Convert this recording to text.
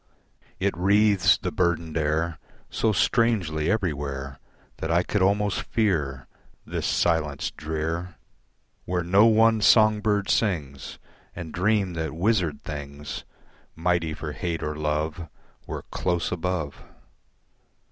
It wreathes the burdened air So strangely everywhere That I could almost fear This silence drear Where no one song bird sings And dream that wizard things Mighty for hate or love Were close above.